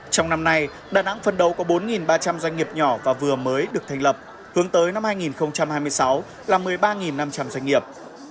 trong năm nay đà nẵng phân đấu có bốn ba trăm linh doanh nghiệp nhỏ và vừa mới được thành lập hướng tới năm hai nghìn hai mươi sáu là một mươi ba năm trăm linh doanh nghiệp